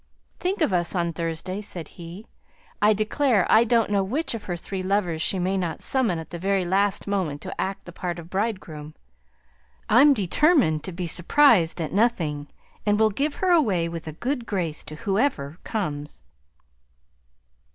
"Think of us on Thursday," said he. "I declare I don't know which of her three lovers she mayn't summon at the very last moment to act the part of bridegroom. I'm determined to be surprised at nothing; and will give her away with a good grace to whoever comes."